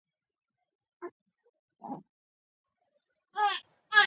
ژمی د افغانستان د طبیعت برخه ده.